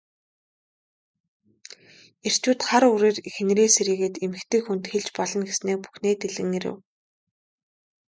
Эрчүүд хар үүрээр эхнэрүүдээ сэрээгээд эмэгтэй хүнд хэлж болно гэсэн бүхнээ дэлгэн ярив.